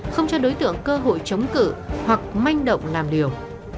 không cho đối tượng cơ hội chống cự hoặc manh động làm điều